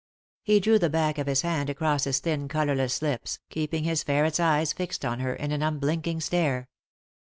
He drew the back of his hand across his thin colourless lips, keeping his ferret's eyes fixed on her in an unblinking stare.